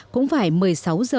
cũng phải một mươi sáu h